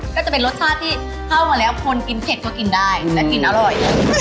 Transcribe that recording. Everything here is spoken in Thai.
ก็จะเป็นรสชาติที่เข้ามาแล้วคนกินเผ็ดก็กินได้และกินอร่อย